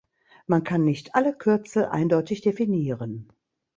Man kann nicht alle Kürzel eindeutig definieren.